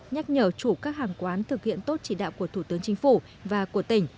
nhắc nhở chủ các hàng quán thực hiện tốt chỉ đạo của thủ tướng chính phủ và của tỉnh